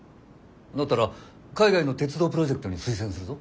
だったら海外の鉄道プロジェクトに推薦するぞ。